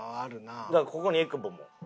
だからここにえくぼも。